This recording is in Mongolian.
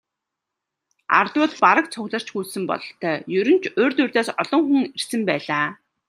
Ардууд бараг цугларч гүйцсэн бололтой, ер нь ч урьд урьдаас олон хүн ирсэн байлаа.